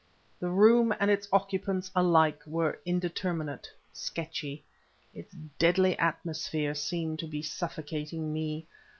The room and its occupants alike were indeterminate, sketchy; its deadly atmosphere seemed to be suffocating me.